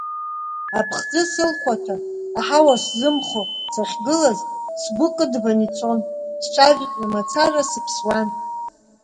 Аԥхӡы сылхәаҭа, аҳауа сзымхо сахьгылаз, сгәы кыдбан ицон, сҿажәкны мацара сыԥсуан.